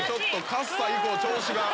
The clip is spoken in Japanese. カッサ以降調子が。